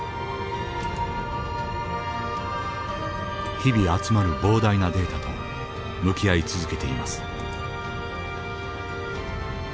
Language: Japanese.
日々集まる膨大なデータと向き合い続けています。